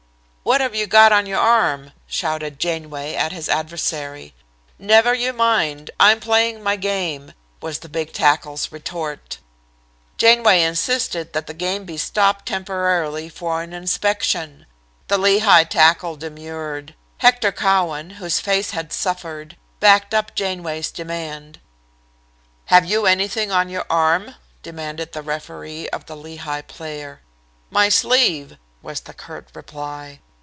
"'What have you got on your arm?' shouted Janeway at his adversary. "'Never you mind. I'm playing my game,' was the big tackle's retort. "Janeway insisted that the game be stopped temporarily for an inspection. The Lehigh tackle demurred. Hector Cowan, whose face had suffered, backed up Janeway's demand. "'Have you anything on your arm?' demanded the referee of the Lehigh player. "'My sleeve,' was the curt reply.